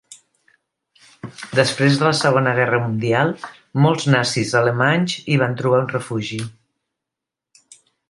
Després de la Segona Guerra Mundial molts nazis alemanys hi van trobar un refugi.